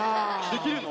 できるの？